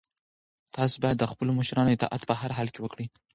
تاسو باید د خپلو مشرانو اطاعت په هر حال کې وکړئ.